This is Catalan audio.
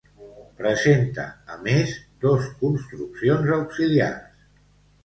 Presenta, a més, dos construccions auxiliars.